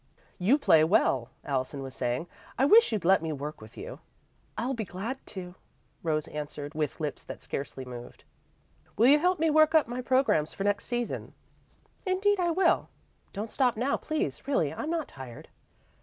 "You play well," Allison was saying. "I wish you'd let me work with you." "I'll be glad to," Rose answered, with lips that scarcely moved. "Will you help me work up my programs for next season?" "Indeed I will. Don't stop now, please really, I'm not tired."